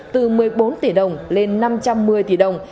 từ một mươi bốn tỷ đồng lên năm trăm một mươi tỷ đồng